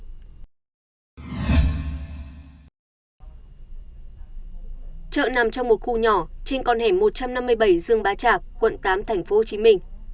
trợ nằm trong một khu nhỏ trên con hẻm một trăm năm mươi bảy dương bá trạc quận tám tp hcm